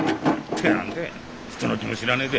てやんでい、人の気も知らねぇで。